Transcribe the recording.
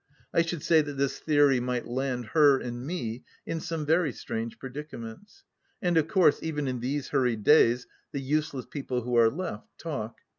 I should ■ay that this theory might land her — and me — in some very strange predicaments ! And of course, even in these hurried days, the useless people who are left, talk.